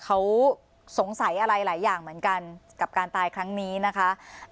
เขาสงสัยอะไรหลายอย่างเหมือนกันกับการตายครั้งนี้นะคะ